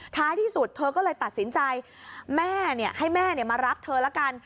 ท้ายที่สุดเธอก็เลยตัดสินใจแม่ให้แม่มารับเธอละกัน